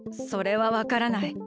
それはわからない。